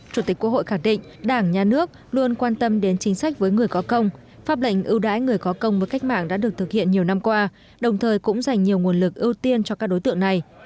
chủ tịch quốc hội khẳng định đảng nhà nước luôn quan tâm đến chính sách với người có công pháp lệnh ưu đãi người có công với cách mạng đã được thực hiện nhiều năm qua đồng thời cũng dành nhiều nguồn lực ưu tiên cho các đối tượng này